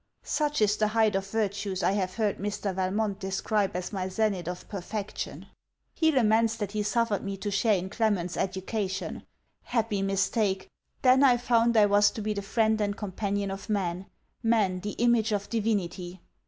Such is the height of virtues I have heard Mr. Valmont describe as my zenith of perfection. He laments that he suffered me to share in Clement's education. Happy mistake! Then I found I was to be the friend and companion of man Man the image of Divinity!